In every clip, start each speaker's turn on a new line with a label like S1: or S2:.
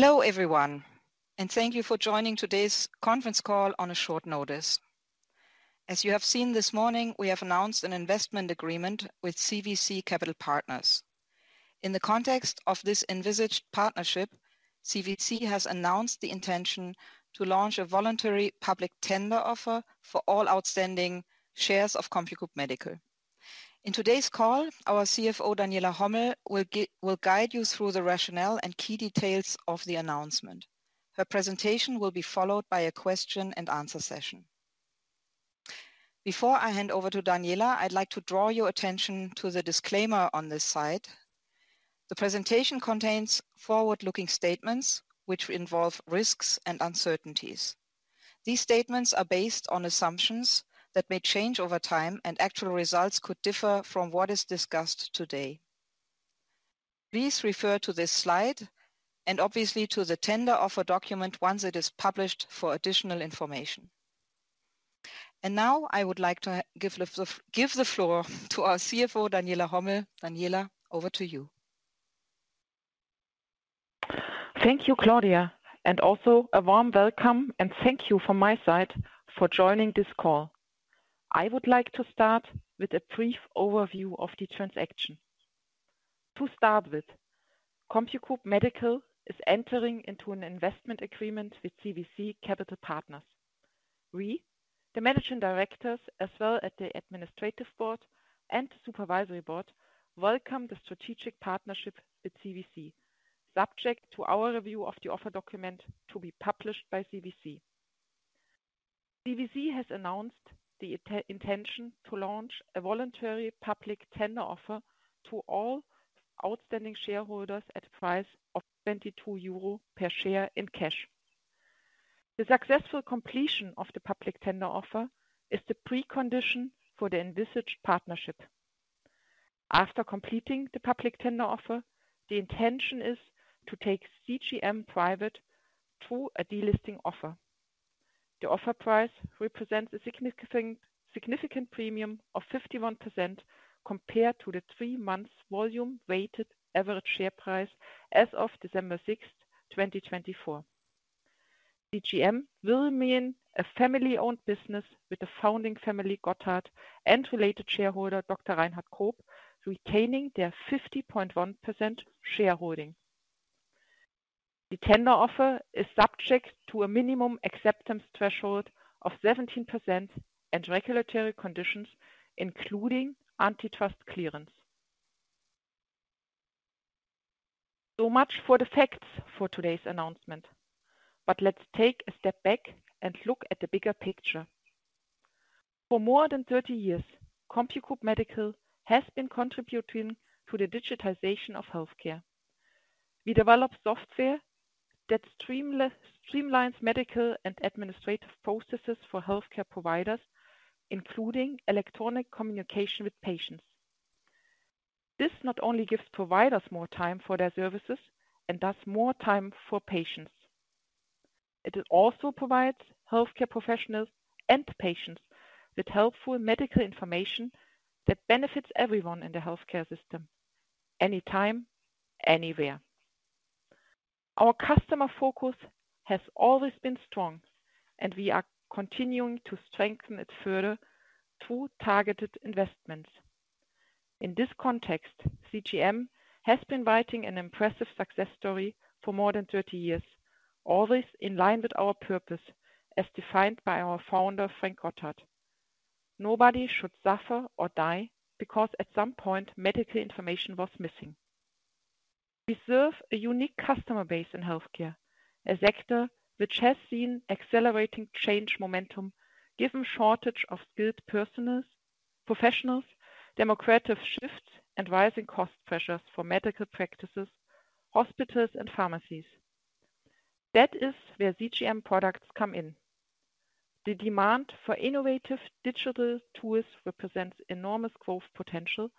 S1: Hello everyone, and thank you for joining today's conference call on a short notice. As you have seen this morning, we have announced an investment agreement with CVC Capital Partners. In the context of this envisaged partnership, CVC has announced the intention to launch a voluntary public tender offer for all outstanding shares of CompuGroup Medical. In today's call, our CFO, Daniela Hommel, will guide you through the rationale and key details of the announcement. Her presentation will be followed by a question-and-answer session. Before I hand over to Daniela, I'd like to draw your attention to the disclaimer on this slide. The presentation contains forward-looking statements which involve risks and uncertainties. These statements are based on assumptions that may change over time, and actual results could differ from what is discussed today. Please refer to this slide and obviously to the tender offer document once it is published for additional information. And now I would like to give the floor to our CFO, Daniela Hommel. Daniela, over to you.
S2: Thank you, Claudia, and also a warm welcome, and thank you from my side for joining this call. I would like to start with a brief overview of the transaction. To start with, CompuGroup Medical is entering into an investment agreement with CVC Capital Partners. We, the managing directors, as well as the administrative board and supervisory board, welcome the strategic partnership with CVC, subject to our review of the offer document to be published by CVC. CVC has announced the intention to launch a voluntary public tender offer to all outstanding shareholders at a price of 22 euro per share in cash. The successful completion of the public tender offer is the precondition for the envisaged partnership. After completing the public tender offer, the intention is to take CGM private to a delisting offer. The offer price represents a significant premium of 51% compared to the three months' volume-weighted average share price as of December 6, 2024. CGM will remain a family-owned business with the founding family, Gotthardt, and related shareholder, Dr. Reinhard Koop, retaining their 50.1% shareholding. The tender offer is subject to a minimum acceptance threshold of 17% and regulatory conditions, including antitrust clearance. So much for the facts for today's announcement, but let's take a step back and look at the bigger picture. For more than 30 years, CompuGroup Medical has been contributing to the digitization of healthcare. We develop software that streamlines medical and administrative processes for healthcare providers, including electronic communication with patients. This not only gives providers more time for their services and thus more time for patients. It also provides healthcare professionals and patients with helpful medical information that benefits everyone in the healthcare system, anytime, anywhere. Our customer focus has always been strong, and we are continuing to strengthen it further through targeted investments. In this context, CGM has been writing an impressive success story for more than 30 years, always in line with our purpose as defined by our founder, Frank Gotthardt. Nobody should suffer or die because at some point, medical information was missing. We serve a unique customer base in healthcare, a sector which has seen accelerating change momentum given the shortage of skilled personnel, professionals, democratic shifts, and rising cost pressures for medical practices, hospitals, and pharmacies. That is where CGM products come in. The demand for innovative digital tools represents enormous growth potential,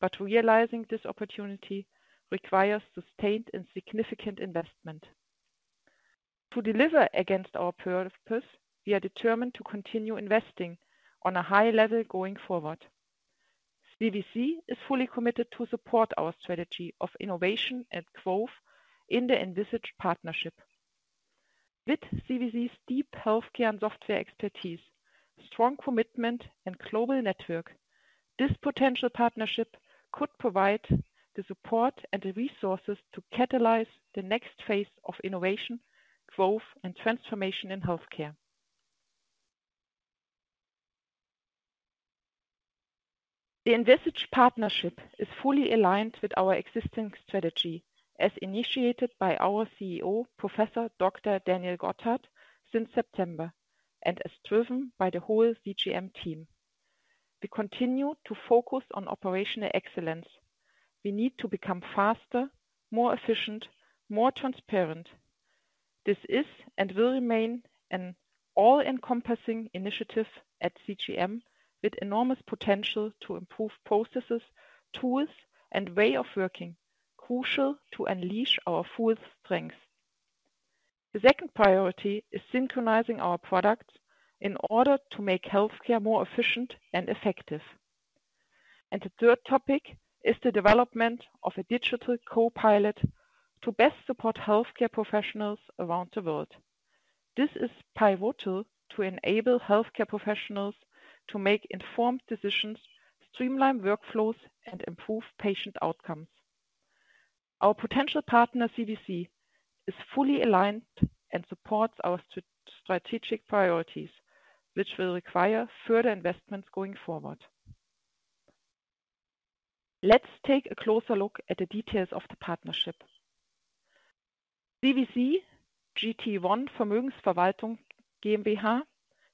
S2: but realizing this opportunity requires sustained and significant investment. To deliver against our purpose, we are determined to continue investing on a high level going forward. CVC is fully committed to support our strategy of innovation and growth in the envisaged partnership. With CVC's deep healthcare and software expertise, strong commitment, and global network, this potential partnership could provide the support and resources to catalyze the next phase of innovation, growth, and transformation in healthcare. The envisaged partnership is fully aligned with our existing strategy, as initiated by our CEO, Professor Dr. Daniel Gotthardt, since September, and is driven by the whole CGM team. We continue to focus on operational excellence. We need to become faster, more efficient, more transparent. This is and will remain an all-encompassing initiative at CGM with enormous potential to improve processes, tools, and ways of working crucial to unleash our full strength. The second priority is synchronizing our products in order to make healthcare more efficient and effective. And the third topic is the development of a Digital Co-Pilot to best support healthcare professionals around the world. This is pivotal to enable healthcare professionals to make informed decisions, streamline workflows, and improve patient outcomes. Our potential partner, CVC, is fully aligned and supports our strategic priorities, which will require further investments going forward. Let's take a closer look at the details of the partnership. CVC, GT1 Vermögensverwaltung GmbH,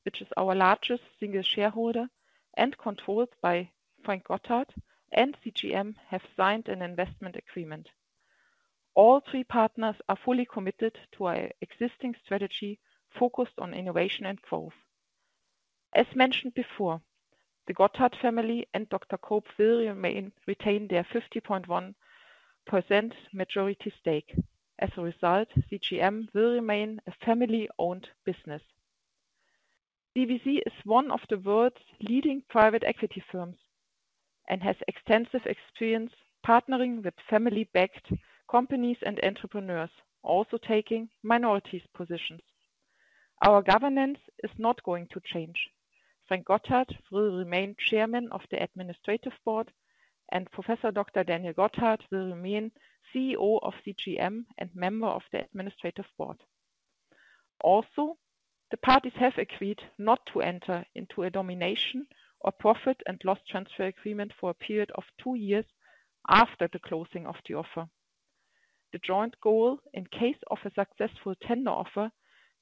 S2: which is our largest single shareholder and controlled by Frank Gotthardt, and CGM have signed an investment agreement. All three partners are fully committed to our existing strategy focused on innovation and growth. As mentioned before, the Gotthardt family and Dr. Koop will retain their 50.1% majority stake. As a result, CGM will remain a family-owned business. CVC is one of the world's leading private equity firms and has extensive experience partnering with family-backed companies and entrepreneurs, also taking minority positions. Our governance is not going to change. Frank Gotthardt will remain chairman of the administrative board, and Professor Dr. Daniel Gotthardt will remain CEO of CGM and member of the administrative board. Also, the parties have agreed not to enter into a domination and profit and loss transfer agreement for a period of two years after the closing of the offer. The joint goal in case of a successful tender offer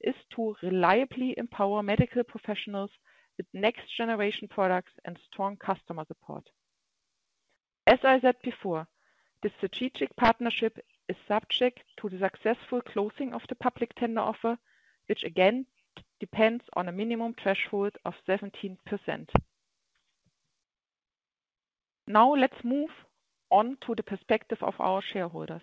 S2: is to reliably empower medical professionals with next-generation products and strong customer support. As I said before, the strategic partnership is subject to the successful closing of the public tender offer, which again depends on a minimum threshold of 17%. Now let's move on to the perspective of our shareholders.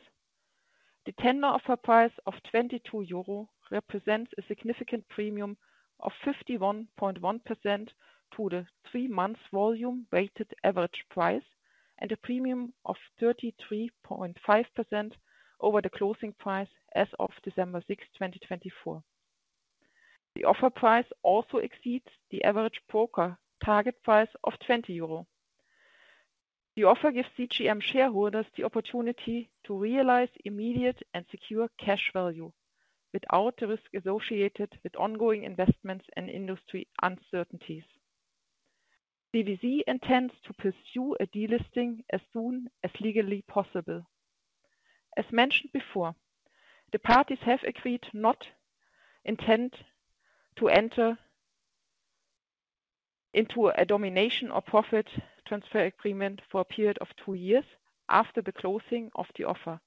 S2: The tender offer price of 22 euro represents a significant premium of 51.1% to the three months' volume-weighted average price and a premium of 33.5% over the closing price as of December 6, 2024. The offer price also exceeds the average broker target price of 20 euro. The offer gives CGM shareholders the opportunity to realize immediate and secure cash value without the risk associated with ongoing investments and industry uncertainties. CVC intends to pursue a delisting as soon as legally possible. As mentioned before, the parties have agreed not to enter into a domination or profit transfer agreement for a period of two years after the closing of the offer.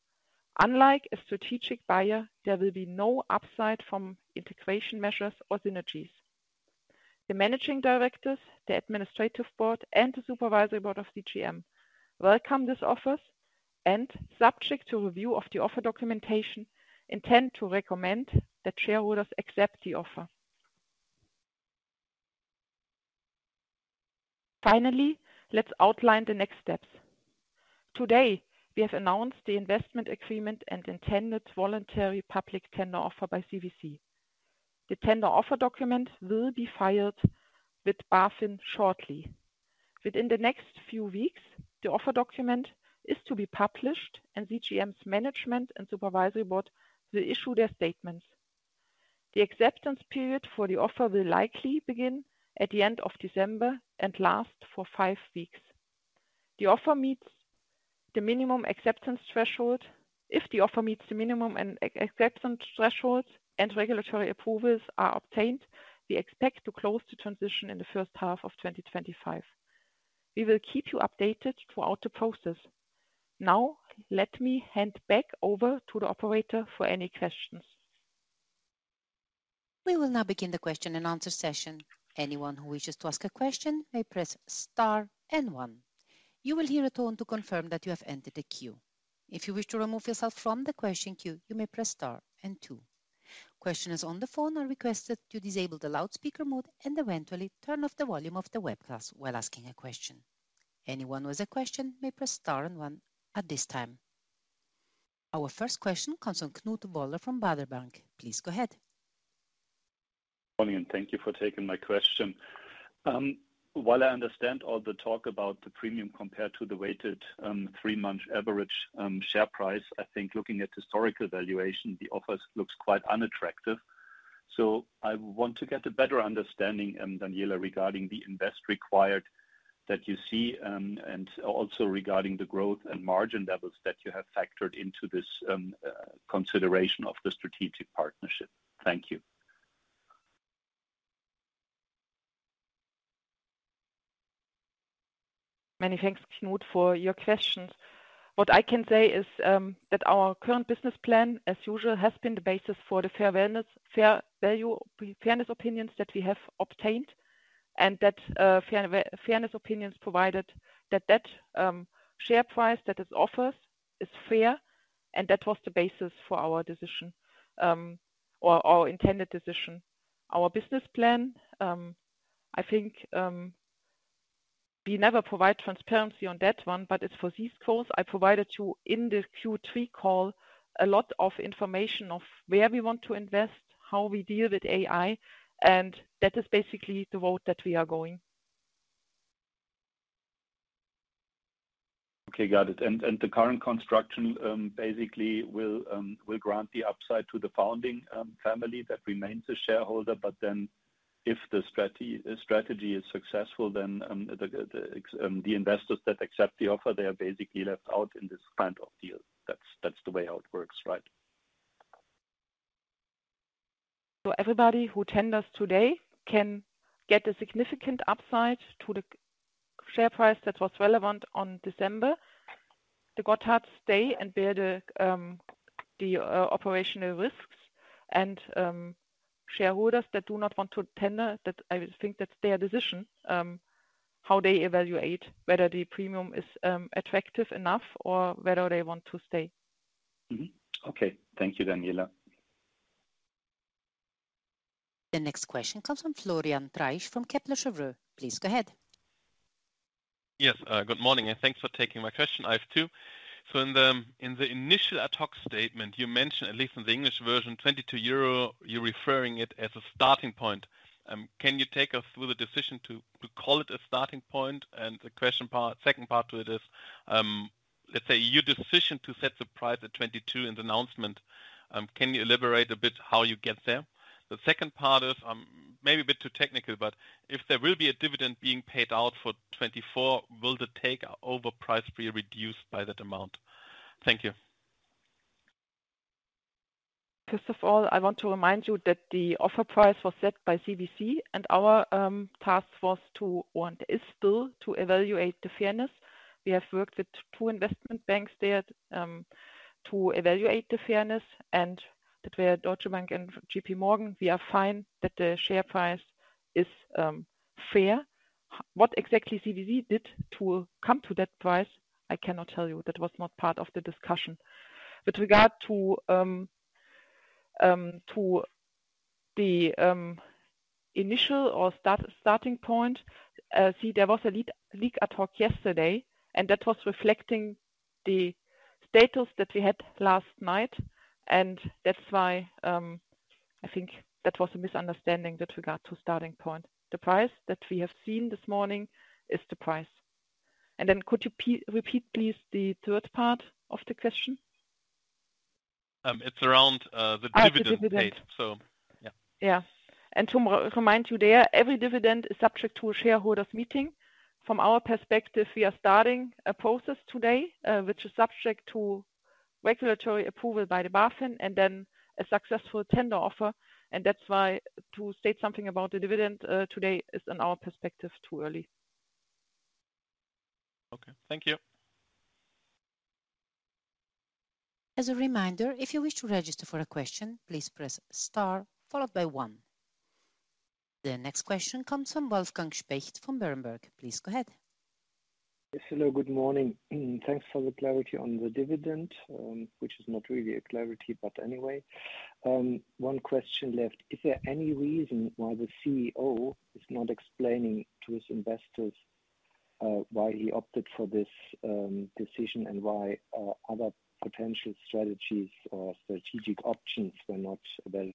S2: Unlike a strategic buyer, there will be no upside from integration measures or synergies. The managing directors, the administrative board, and the supervisory board of CGM welcome these offers and, subject to review of the offer documentation, intend to recommend that shareholders accept the offer. Finally, let's outline the next steps. Today, we have announced the investment agreement and intended voluntary public tender offer by CVC. The tender offer document will be filed with BaFin shortly. Within the next few weeks, the offer document is to be published, and CGM's management and supervisory board will issue their statements. The acceptance period for the offer will likely begin at the end of December and last for five weeks. The offer meets the minimum acceptance threshold. If the offer meets the minimum acceptance threshold and regulatory approvals are obtained, we expect to close the transaction in the first half of 2025. We will keep you updated throughout the process. Now, let me hand back over to the operator for any questions.
S3: We will now begin the question and answer session. Anyone who wishes to ask a question may press Star and 1. You will hear a tone to confirm that you have entered the queue. If you wish to remove yourself from the question queue, you may press Star and 2. Questioners on the phone are requested to disable the loudspeaker mode and eventually turn off the volume of the webcast while asking a question. Anyone with a question may press Star and one at this time. Our first question comes from Knut Woller from Baader Bank. Please go ahead.
S4: Good morning and thank you for taking my question. While I understand all the talk about the premium compared to the weighted three-month average share price, I think looking at historical valuation, the offer looks quite unattractive. So I want to get a better understanding, Daniela, regarding the investment required that you see and also regarding the growth and margin levels that you have factored into this consideration of the strategic partnership. Thank you.
S2: Many thanks, Knut, for your questions. What I can say is that our current business plan, as usual, has been the basis for the fair value fairness opinions that we have obtained and that fairness opinions provided that share price that is offered is fair, and that was the basis for our decision or our intended decision. Our business plan, I think we never provide transparency on that one, but it's for these goals. I provided you in the Q3 call a lot of information of where we want to invest, how we deal with AI, and that is basically the road that we are going.
S4: Okay, got it. And the current construction basically will grant the upside to the founding family that remains a shareholder, but then if the strategy is successful, then the investors that accept the offer, they are basically left out in this kind of deal. That's the way how it works, right?
S2: So, everybody who tenders today can get a significant upside to the share price that was relevant on December. The Gotthardts stay and bear the operational risks, and shareholders that do not want to tender. That I think that's their decision how they evaluate whether the premium is attractive enough or whether they want to stay.
S4: Okay, thank you, Daniela.
S3: The next question comes from Florian Treisch from Kepler Cheuvreux. Please go ahead.
S5: Yes, good morning, and thanks for taking my question. I have two. So in the initial ad hoc statement, you mentioned, at least in the English version, 22 euro, you're referring to it as a starting point. Can you take us through the decision to call it a starting point? And the question part, second part to it is, let's say your decision to set the price at 22 in the announcement, can you elaborate a bit how you get there? The second part is maybe a bit too technical, but if there will be a dividend being paid out for 2024, will the takeover price be reduced by that amount? Thank you.
S2: First of all, I want to remind you that the offer price was set by CVC, and our task force, too, wants to still evaluate the fairness. We have worked with two investment banks there to evaluate the fairness, and they are Deutsche Bank and J.P. Morgan. We find that the share price is fair. What exactly CVC did to come to that price, I cannot tell you. That was not part of the discussion. With regard to the initial or starting point, see, there was a leak at the talk yesterday, and that was reflecting the status that we had last night, and that's why I think that was a misunderstanding with regard to starting point. The price that we have seen this morning is the price. And then could you repeat please the third part of the question?
S5: It's around the dividend paid, so yeah.
S2: Yeah. And to remind you there, every dividend is subject to a shareholders' meeting. From our perspective, we are starting a process today, which is subject to regulatory approval by the BaFin and then a successful tender offer, and that's why to state something about the dividend today is, in our perspective, too early.
S5: Okay, thank you.
S3: As a reminder, if you wish to register for a question, please press Star followed by one. The next question comes from Wolfgang Specht from Berenberg. Please go ahead.
S6: Yes, hello, good morning. Thanks for the clarity on the dividend, which is not really a clarity, but anyway. One question left. Is there any reason why the CEO is not explaining to his investors why he opted for this decision and why other potential strategies or strategic options were not available?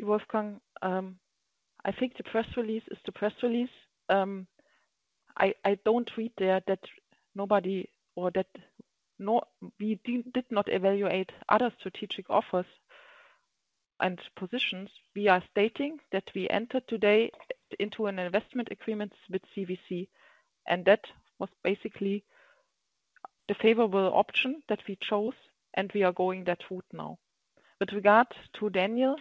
S2: Wolfgang, I think the press release is the press release. I don't read there that nobody or that we did not evaluate other strategic offers and positions. We are stating that we entered today into an investment agreement with CVC, and that was basically the favorable option that we chose, and we are going that route now. With regard to Daniel,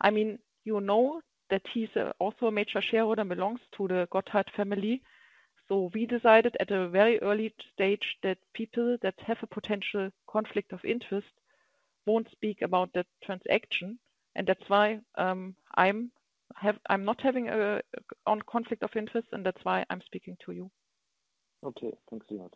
S2: I mean, you know that he's also a major shareholder and belongs to the Gotthardt family, so we decided at a very early stage that people that have a potential conflict of interest won't speak about that transaction, and that's why I'm not having a conflict of interest, and that's why I'm speaking to you.
S6: Okay, thanks a lot.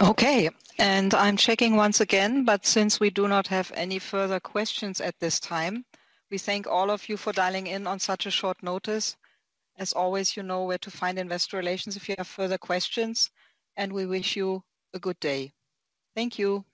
S3: Okay, and I'm checking once again, but since we do not have any further questions at this time, we thank all of you for dialing in on such a short notice. As always, you know where to find investor relations if you have further questions, and we wish you a good day. Thank you.